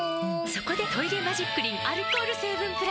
そこで「トイレマジックリン」アルコール成分プラス！